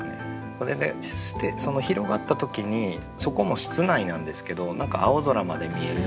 これで広がった時にそこも室内なんですけど何か青空まで見えるような。